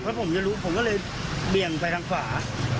เพราะผมจะรู้ผมก็เลยเบี่ยงไปทางขวา